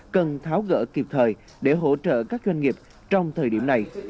đã gỡ kịp thời để hỗ trợ các doanh nghiệp trong thời điểm này